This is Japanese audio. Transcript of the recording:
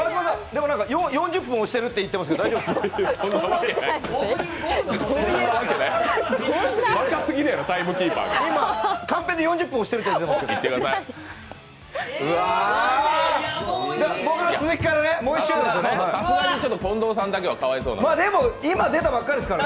でも、４０分押してるって言ってますけど、大丈夫ですか？